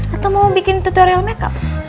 atau mau bikin tutorial makeup